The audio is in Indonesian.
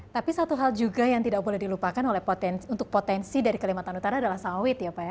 tapi satu hal juga yang tidak boleh dilupakan oleh potensi dari kalimantan utara adalah sawit ya pak ya